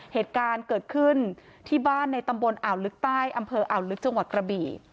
เหตุการณ์เกิดขึ้นที่บ้านในตำบลอ่าวลึกใต้อำเภออ่าวลึกจังหวัดกระบี่